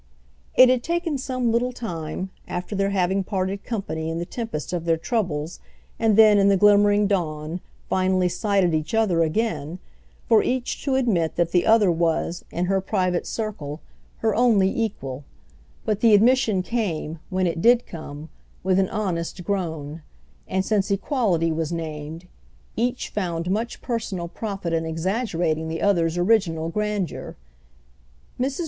It had taken some little time (after their having parted company in the tempest of their troubles and then, in the glimmering dawn, finally sighted each other again) for each to admit that the other was, in her private circle, her only equal, but the admission came, when it did come, with an honest groan; and since equality was named, each found much personal profit in exaggerating the other's original grandeur. Mrs.